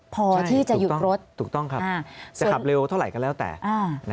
พอที่จะหยุดรถถูกต้องครับจะขับเร็วเท่าไหร่ก็แล้วแต่